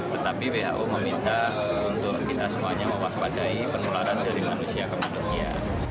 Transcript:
tetapi who meminta untuk kita semuanya mewaspadai penularan dari manusia ke manusia